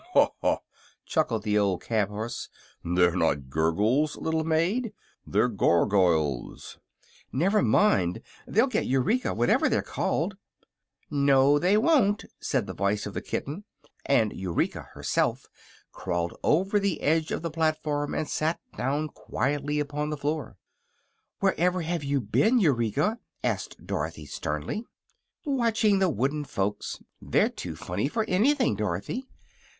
"Ha, ha!" chuckled the old cab horse; "they're not 'Gurgles,' little maid; they're Gargoyles." "Never mind; they'll get Eureka, whatever they're called." "No they won't," said the voice of the kitten, and Eureka herself crawled over the edge of the platform and sat down quietly upon the floor. "Wherever have you been, Eureka?" asked Dorothy, sternly. "Watching the wooden folks. They're too funny for anything, Dorothy.